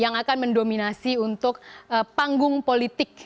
yang akan mendominasi untuk panggung politik